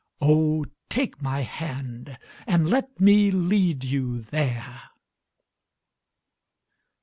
Oh, take my hand and let me lead you there.